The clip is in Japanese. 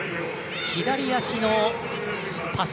左足のパス。